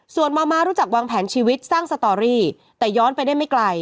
ส่วนมม้ารู้จักวางแผนชีวิตสร้างสตอรี่แต่ย้อนไปได้ไม่ไกล